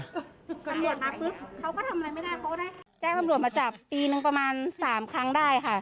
ตำรวจมาปุ๊บเขาก็ทำอะไรไม่ได้เขาก็ได้แจ้งตำรวจมาจับปีหนึ่งประมาณ๓ครั้งได้ค่ะ